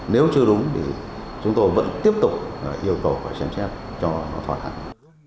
nếu chưa đúng thì chúng tôi vẫn tiếp tục yêu cầu và xem xét cho nó thỏa đáng